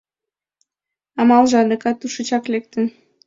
Амалже адакат тушечак лекте.